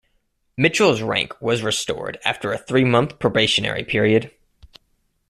Mitchell's rank was restored after a three-month probationary period.